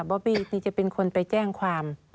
อบบี้นี่จะเป็นคนไปแจ้งความ